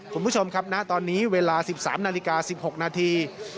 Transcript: คุณผู้ชมครับณตอนนี้เวลา๑๓นาฬิกา๑๖นาที